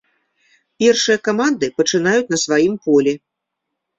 Першыя каманды пачынаюць на сваім полі.